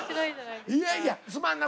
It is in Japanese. いやいやすまんな。